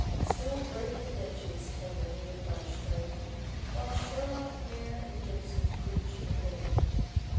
Still break the benches, Henley, with thy strain, While Sherlock, Hare, and Gibson preach in vain.